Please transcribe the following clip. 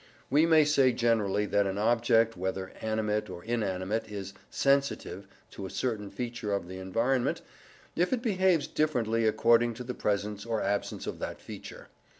We may say generally that an object whether animate or inanimate, is "sensitive" to a certain feature of the environment if it behaves differently according to the presence or absence of that feature.